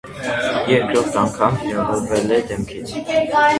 Երկրորդ անգամ վիրավորվել է դեմքից։